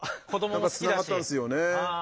何かつながったんすよね。